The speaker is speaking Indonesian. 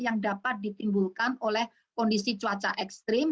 yang dapat ditimbulkan oleh kondisi cuaca ekstrim